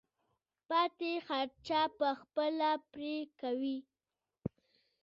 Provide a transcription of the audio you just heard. پاتې خرچه به خپله پرې کوې.